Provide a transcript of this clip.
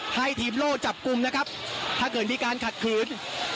ให้ทีมโล่จับกลุ่มนะครับถ้าเกิดมีการขัดขืน